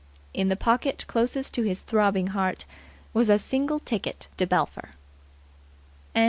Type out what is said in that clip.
In the pocket closest to his throbbing heart was a single ticket to Belpher. CHAPTER 6.